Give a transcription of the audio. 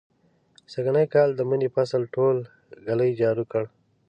سږنی کال د مني فصل ټول ږلۍ جارو کړ.